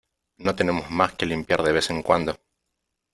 No tenemos más que limpiar de vez en cuando.